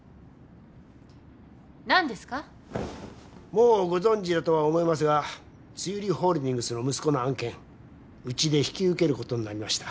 もうご存じだとは思いますが栗花落ホールディングスの息子の案件うちで引き受けることになりました。